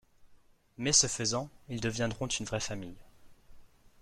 Mais ce faisant, ils deviendront une vraie famille.